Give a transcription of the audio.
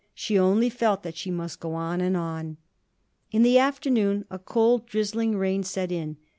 She only felt that she must go on and on. In the afternoon a cold, drizzling rain set in.